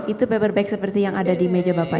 itu paperback seperti yang ada di meja bapak